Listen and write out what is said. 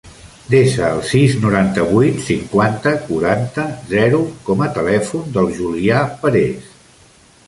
Desa el sis, noranta-vuit, cinquanta, quaranta, zero com a telèfon del Julià Pares.